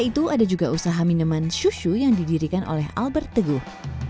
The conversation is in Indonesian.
selain itu ada juga usaha minuman susu yang didirikan oleh albert teguh